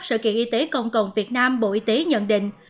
sự kiện y tế công cộng việt nam bộ y tế nhận định